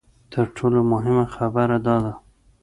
تر ټولو مهمه خبره دا ده.